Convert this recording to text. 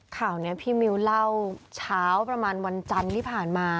ข่าวนี้พี่มิ้วเล่าเช้าประมาณวันจันทร์ที่ผ่านมา